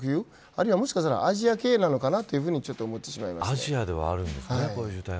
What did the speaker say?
あるいは、もしかしたらアジア系なのかなと思います。